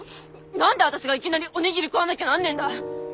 何で私がいきなりおにぎり食わなきゃなんねえんだ。